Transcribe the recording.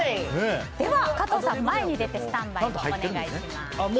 加藤さん、前に出てスタンバイをお願いします。